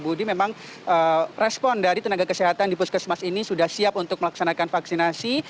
budi memang respon dari tenaga kesehatan di puskesmas ini sudah siap untuk melaksanakan vaksinasi